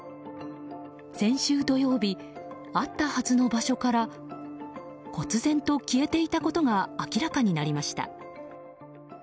先週土曜日あったはずの場所から忽然と消えていたことが明らかになりました。